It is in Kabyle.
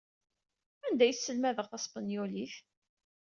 Anda ay sselmadeɣ taspenyulit?